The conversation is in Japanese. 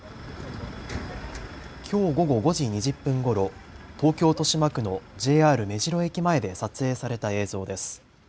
きょう午後５時２０分ごろ東京豊島区のＪＲ目白駅前で撮影された映像です。